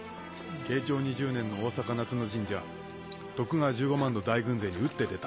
慶長２０年の大坂夏の陣じゃ徳川１５万の大軍勢に打って出た。